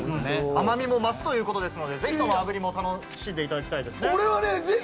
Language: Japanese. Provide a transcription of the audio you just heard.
甘みを増すということで、炙りもぜひ楽しんでいただきたいですね。